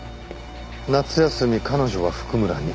夏休み彼女は譜久村に。